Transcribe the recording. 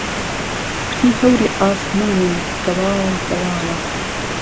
کوتی هەوری عاسمانێم گهواڵ گەواڵه